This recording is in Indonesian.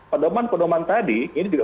pendoman pendoman tadi ini juga